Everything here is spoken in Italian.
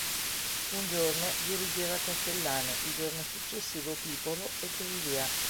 Un giorno dirigeva Castellano, il giorno successivo Pipolo e così via.